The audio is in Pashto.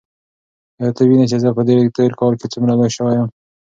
ایا ته وینې چې زه په دې تېر کال کې څومره لوی شوی یم؟